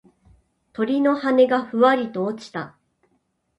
鳥の羽がふわりと落ちた。